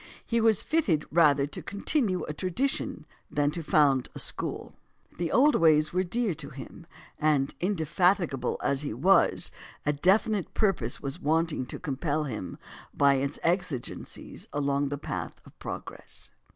He was fitted rather to continue a tradition than to found a school. The old ways were dear to him; and, indefatigable as he was, a definite purpose was wanting to compel him, by its exigencies, along the path of progress.